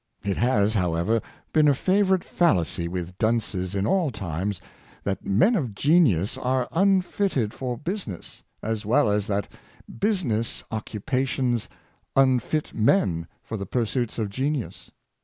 It has, however, been a favorite fallacy with dunces in all times, that men of genius are unfitted for business, as well as that business occupations unfit men for the pur suits of genius.